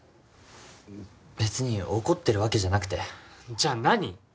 別に怒ってるわけじゃなくてじゃあ何？